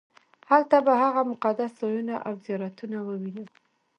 هلته به هغه مقدس ځایونه او زیارتونه ووېنم.